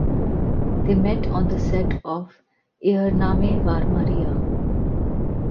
They met on the set of "Ihr Name war Maria".